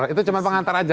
itu cuma pengantar aja